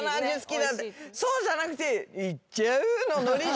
そうじゃなくて「いっちゃう？」のノリじゃん。